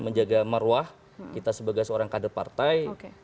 menjaga marwah kita sebagai seorang kader partai